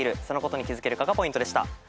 そのことに気付けるかがポイントでした。